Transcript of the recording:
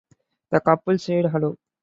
The couple sued Hello!